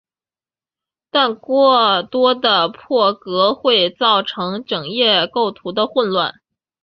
但过多的破格会造成整页构图的混乱。